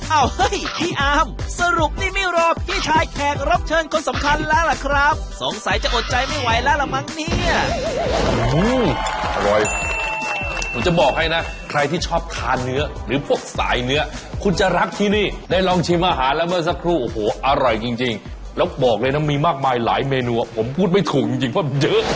เอาเฮ้ยพี่อามสรุปนี่ไม่รอพี่ชายแขกรับเชิญคนสำคัญแล้วล่ะครับ